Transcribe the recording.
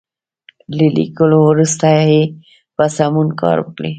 له ليکلو وروسته یې په سمون کار وکړئ.